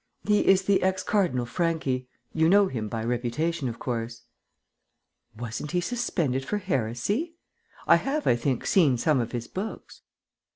"He is the ex cardinal Franchi. You know him by reputation, of course." "Wasn't he suspended for heresy? I have, I think, seen some of his books."